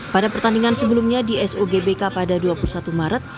pada pertandingan sebelumnya di sogbk pada dua puluh satu maret